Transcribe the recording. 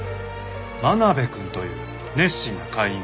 真鍋くんという熱心な会員がいます。